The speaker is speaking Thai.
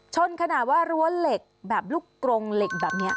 ชนขนาดว่ารั้วเหล็กแบบลูกกรงเหล็กแบบนี้